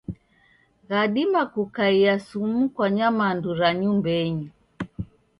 Ghadima kukaia sumu kwa nyamandu ra nyumbenyi.